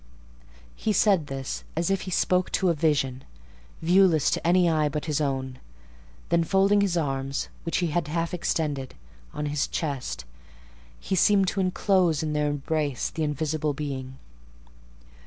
He said this as if he spoke to a vision, viewless to any eye but his own; then, folding his arms, which he had half extended, on his chest, he seemed to enclose in their embrace the invisible being.